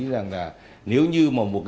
rằng là nếu như mà một cái công trình